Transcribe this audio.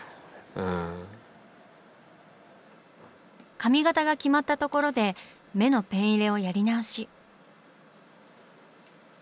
髪型が決まったところで目のペン入れをやり直し。